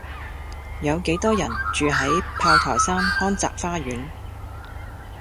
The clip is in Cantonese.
有幾多人住喺炮台山康澤花園